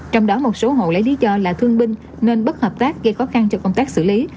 trong đó một số hộ lấy lý do là thương binh nên bất hợp tác gây khó khăn cho công tác xử lý